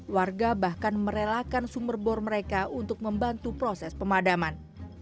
warga bahkan merelakan sumber bor mereka untuk membantu proses pemadaman